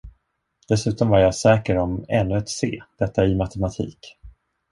Dessutom var jag säker om ännu ett C, detta i matematik.